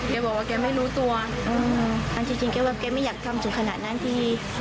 แกบอกว่าแกไม่รู้ตัวอืมเอาจริงจริงแกว่าแกไม่อยากทำถึงขนาดนั้นที่